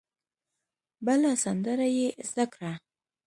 بله سندره یې زده کړه.